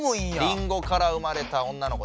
りんごから生まれた女の子。